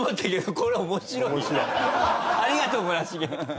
ありがとう村重。